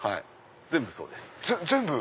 全部そうです。